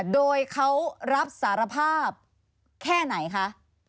โดยเขารับสารภาพแค่ไหนคะ